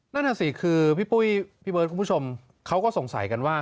นั่นน่ะสิคือพี่ปุ้ยพี่เบิร์ดคุณผู้ชมเขาก็สงสัยกันว่า